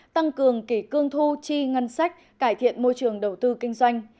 tăng cường kỷ cương thu chi ngân sách cải thiện môi trường đầu tư kinh doanh